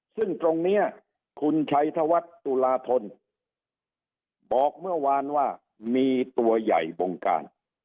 ซึ่งตรงนี้คุณชัยธวัฒน์ตุลาธนบอกเมื่อวานว่ามีตัวใหญ่บงการ